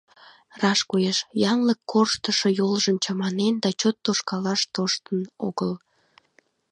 Раш коеш: янлык корштышо йолжым чаманен да чот тошкалаш тоштын огыл.